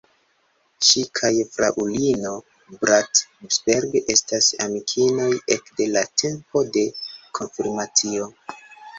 Ŝi kaj fraŭlino Bratsberg estas amikinoj ekde la tempo de konfirmacio.